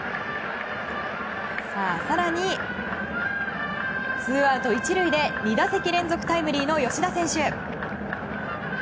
更にツーアウト１塁で２打席連続タイムリーの吉田選手。